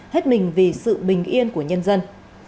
hết mình vì sự bình yên của nhân dân